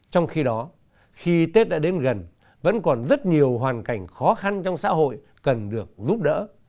trong khi đó khi tết đã đến gần vẫn còn rất nhiều hoàn cảnh khó khăn trong xã hội cần được giúp đỡ